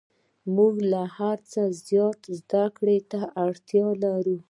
موږ له هر څه زیات زده کړو ته اړتیا لرو